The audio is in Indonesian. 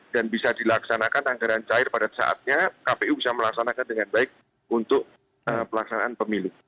dan bisa dilaksanakan anggaran cair pada saatnya kpu bisa melaksanakannya dengan baik untuk pelaksanaan pemilu